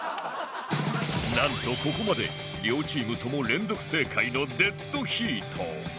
なんとここまで両チームとも連続正解のデッドヒート